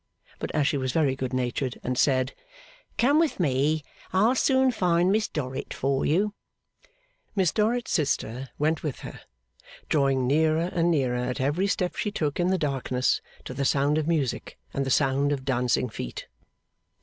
But as she was very good natured, and said, 'Come with me; I'll soon find Miss Dorrit for you,' Miss Dorrit's sister went with her, drawing nearer and nearer at every step she took in the darkness to the sound of music and the sound of dancing feet.